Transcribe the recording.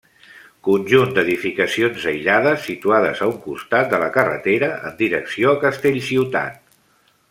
Conjunt d'edificacions aïllades, situades a un costat de la carretera en direcció a Castellciutat.